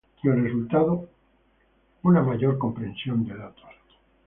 El resultado, una mayor compresión de datos.